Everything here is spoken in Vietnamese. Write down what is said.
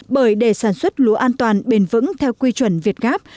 bởi để sản xuất lúa an toàn bền vững theo quy chuẩn việt gáp